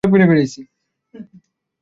তিনি ছিলেন জিন্দাল মির্জার একমাত্র কন্যা।